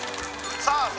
さあ